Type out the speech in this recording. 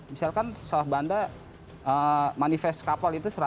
misalkan siah bandar manifest kapal itu seratus